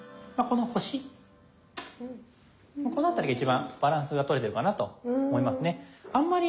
この辺りが一番バランスが取れてるかなと思いますね。